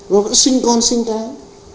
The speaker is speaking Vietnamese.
và vẫn sinh con sinh cái